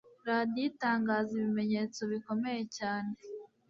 Radiyo itangaza ibimenyetso bikomeye cyane.